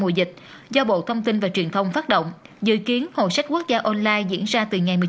một kênh bán hàng truyền thống và kênh bán hàng trực tiếp cho doanh nghiệp trường học